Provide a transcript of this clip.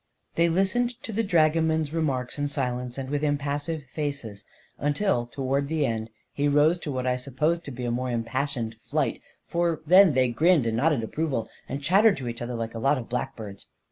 They listened to the dragoman's remarks in si lence and with impassive faces until, toward the end, he rose to what I supposed to be a more impassioned flight, for then they grinned and nodded approval, and chattered to each other like a lot of blackbirds.